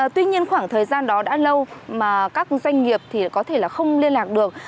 tuy nhiên khoảng thời gian đó đã lâu mà các doanh nghiệp thì có thể là không liên lạc được